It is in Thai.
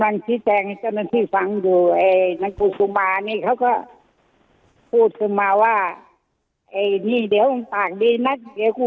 ไม่ให้มาหาผมอ่านี่พ่อเขาจับไว้แล้วเขาก็ยิ่งดิ้นอีก